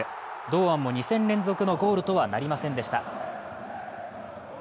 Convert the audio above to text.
堂安も２戦連続のゴールとはなりませんでした。